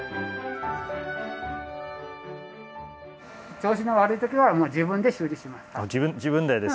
調子の悪い時は自分で修理します。